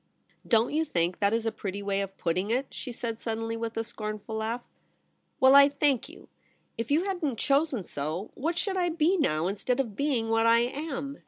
Don't you think that is a pretty way of putting it ?' she said sud denly, with a scornful laugh. ' Well, I thank you. If you hadn't chosen so, what should I be now, instead of being what I am ?